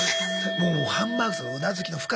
もうハンバーグさんのうなずきの深さ。